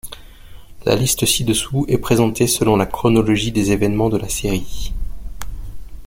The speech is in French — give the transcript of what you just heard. La liste ci-dessous est présentée selon la chronologie des événements de la série.